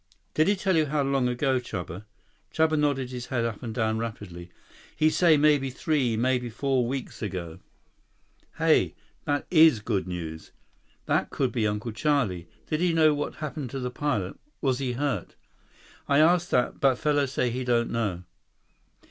"Did he tell you how long ago, Chuba?" Chuba nodded his head up and down rapidly. "He say maybe three, maybe four weeks ago." "Hey. That is good news. That could be Uncle Charlie. Did he know what happened to the pilot? Was he hurt?" "I ask that. But fellow say he don't know."